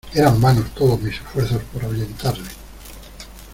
eran vanos todos mis esfuerzos por ahuyentarle: